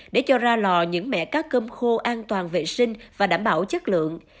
để cho ra lò những mẹ cá cơm khô an toàn vệ sinh và đảm bảo chất lượng